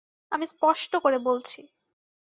আমি স্পষ্ট করে বলছি।